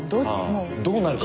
あぁどうなるか。